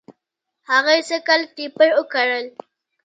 هغوی سږ کال ټیپر و کرل.